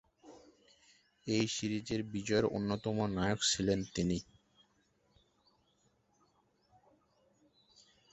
ঐ সিরিজ বিজয়ের অন্যতম নায়ক ছিলেন তিনি।